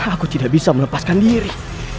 aku tidak bisa melepaskan diri